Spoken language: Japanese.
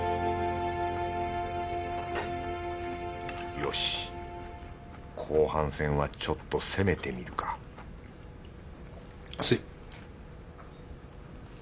よし後半戦はちょっと攻めてみるかす。